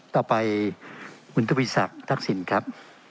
ต่อไปคุณทวีศักดิ์ทักษิณครับ